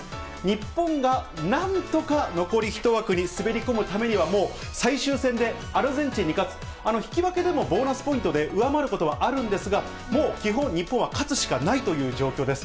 日本がなんとか残り１枠に滑り込むためには、もう最終戦でアルゼンチンに勝つ、引き分けでもボーナスポイントで上回ることはあるんですが、もう基本、日本は勝つしかないという状況です。